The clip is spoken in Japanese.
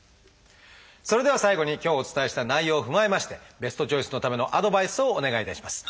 それでは最後に今日お伝えした内容を踏まえましてベストチョイスのためのアドバイスをお願いいたします。